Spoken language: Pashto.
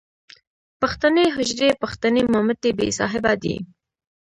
پښتنې حجرې، پښتنې مامتې بې صاحبه دي.